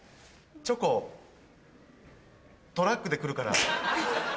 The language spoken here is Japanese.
チョコトラックで来るから。